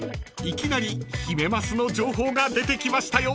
いきなりヒメマスの情報が出てきましたよ］